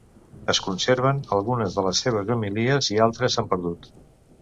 Es conserven algunes de les seves homilies i altres s'han perdut.